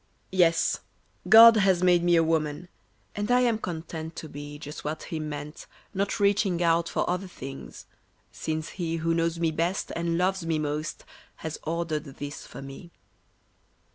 Yes, God has made me a woman, And I am content to be Just what He meant, not reaching out For other things, since He Who knows me best and loves me most has ordered this for me.